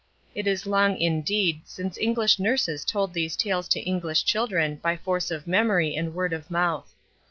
It is long, indeed, since English nurses told these tales to English children by force of memory and word of mouth.